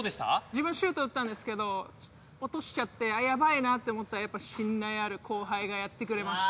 自分シュート打ったんですけど落としちゃってあっやばいなって思ったらやっぱり信頼ある後輩がやってくれました。